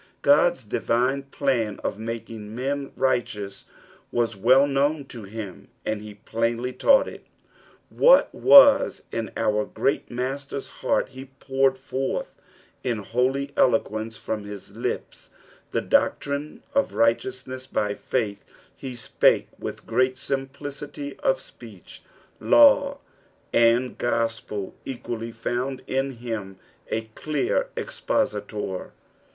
God's divine plan of makiog: men righteous ' was well known to him, and he plainly taught it. What waa in our gieat Master's heart he poured forth in uoly eloquence tmm his lips. The ttoctiioe of righteousness b; faith he siHike with great siniplioit; of speech. Law and gospel equally found In him a clear expositor.